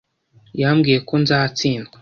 Yambwiye ko nzatsindwa.